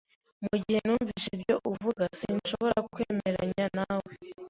Mugihe numvise ibyo uvuga, sinshobora kwemeranya nawe.